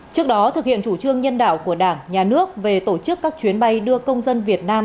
trước đó thực hiện chủ trương nhân đạo của đảng nhà nước về tổ chức các chuyến bay đưa công dân việt nam